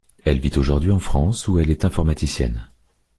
Elle vit aujourd'hui en France, où elle est informaticienne.